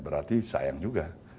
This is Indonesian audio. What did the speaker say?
ya berarti sayang juga